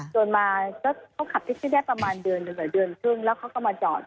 จนมาก็เขาขับแท็กซี่ได้ประมาณเดือนหนึ่งหรือเดือนครึ่งแล้วเขาก็มาจอด